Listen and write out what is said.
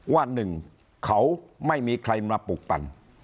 ว่าหนึ่งเขาไม่มีใครมาปลูกปั่น